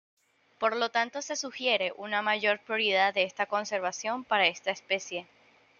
Por lo tanto se sugiere una mayor prioridad de conservación para esta especie.